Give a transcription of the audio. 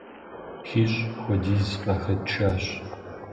ХищӀ хуэдиз къахэтшащ.